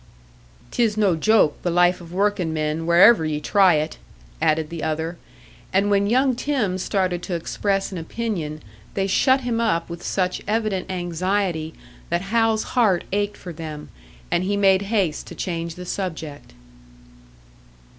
"'Tis no joke, the life of workin' men, wherever ye try it," added the other; and when young Tim started to express an opinion, they shut him up with such evident anxiety that Hal's heart ached for them, and he made haste to change the subject.